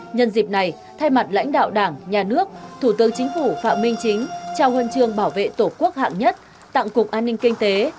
nhân dịp này thay mặt lãnh đạo đảng nhà nước thủ tướng chính phủ phạm minh chính trao huân trường bảo vệ tổ quốc hạng nhất tặng cục an ninh kinh tế